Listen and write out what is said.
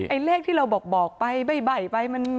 ไอเลขที่เราบอกไปบ่ายไปมัน